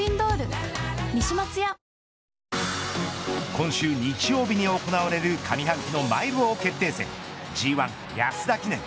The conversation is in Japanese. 今週日曜日に行われる上半期のマイル王決定戦Ｇ１安田記念。